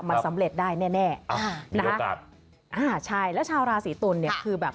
มันสำเร็จได้แน่แน่อ่านะครับอ่าใช่แล้วชาวราศีตุลเนี่ยคือแบบ